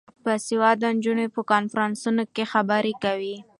باسواده نجونې په کنفرانسونو کې خبرې کوي.